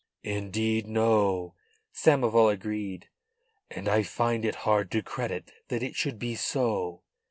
"Indeed no," Samoval agreed. "And I find it hard to credit that it should be so."